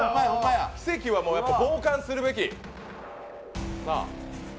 奇跡は傍観するべき！